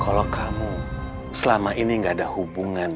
kalau kamu selama ini gak ada hubungan